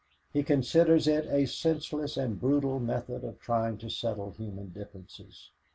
He considers it a senseless and brutal method of trying to settle human differences.